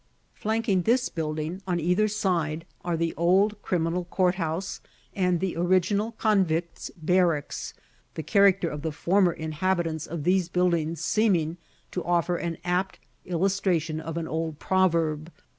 Flanking this building on either side are the old Criminal Courthouse, and the original Convicts' Barracks the character of the former inhabitants of these buildings seeming to offer an apt illustration of an old proverb.